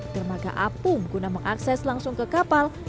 dermaga apung guna mengakses langsung ke kapal